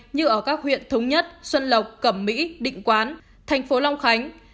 như ở các huyện thống nhất xuân lộc cẩm mỹ định quán thành phố long khánh